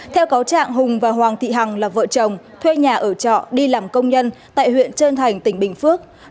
theo cáo trạng hùng và hoàng thị hằng là vợ chồng thuê nhà ở trọ đi làm công nhân tại huyện trơn thành tỉnh bình phước